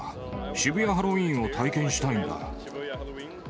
渋谷ハロウィーンを体験したいんだ。